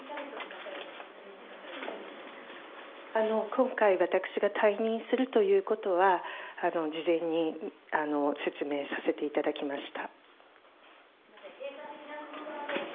今回私が退任するということは事前に説明させていただきました。